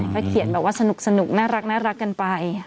ก็เขียนแบบว่าสนุกน่ารักกันไป